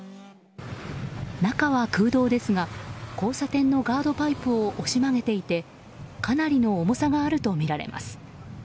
中は空洞ですが交差点のガードパイプを押し曲げていてかなりの重さがあるとみられます。